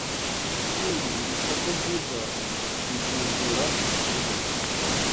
Kandi iri soko ryiza rizuzura vuba